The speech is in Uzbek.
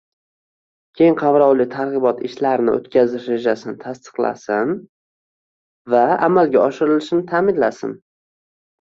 Keng qamrovli targ‘ibot ishlarini o‘tkazish rejasini tasdiqlasin va amalga oshirilishini ta’minlasin.